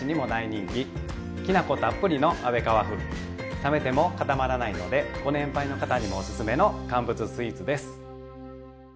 冷めても固まらないのでご年配の方にもおすすめの乾物スイーツです。